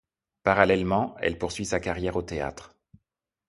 Parallèlement, elle poursuit sa carrière au théâtre.